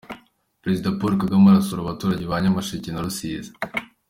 Perezida Paul Kagame arasura abaturage ba Nyamasheke na Rusizi